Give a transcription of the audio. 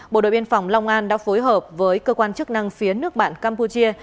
bộ đội biên phòng long an đã phối hợp với cơ quan chức năng phía nước bạn campuchia